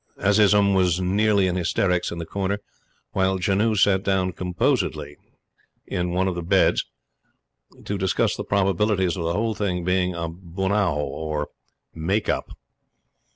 Azizun was nearly in hysterics in the corner; while Janoo sat down composedly on one of the beds to discuss the probabilities of the whole thing being a bunao, or "make up."